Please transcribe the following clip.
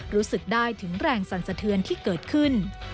รู้สึกได้ถึงแรงสั่นสะเทือนที่เกิดขึ้น